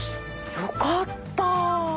よかった。